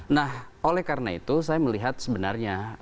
nah oleh karena itu saya melihat sebenarnya